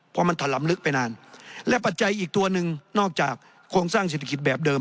พอมันถล่ำลึกไปนานและปัจจัยอีกตัวหนึ่งนอกจากโครงสร้างเศรษฐกิจแบบเดิม